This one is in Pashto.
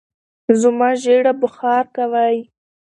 زما ژېره بوخار کوی